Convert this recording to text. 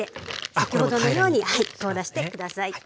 先ほどのように凍らして下さい。